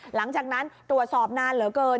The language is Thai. หลังจากนั้นตรวจสอบนานเหลือเกิน